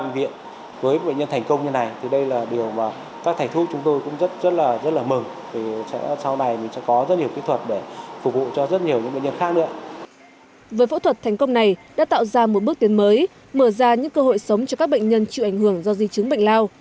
với phẫu thuật thành công này đã tạo ra một bước tiến mới mở ra những cơ hội sống cho các bệnh nhân chịu ảnh hưởng do di chứng bệnh lao